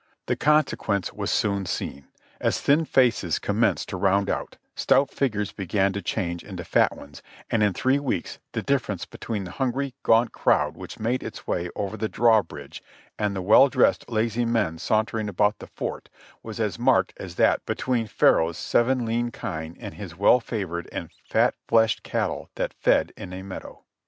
The consequence was soon seen, as thin faces commenced to round out, stout figures l^egan to change into fat ones; and in three weeks the difference between the hungry, gaunt crowd which made its way over the drawbridge and the well dressed, lazy men sauntering about the fort was as marked as that be tween Pharaoh's seven lean kine and his "well favored and fat iieshed cattle that fed in a meadow."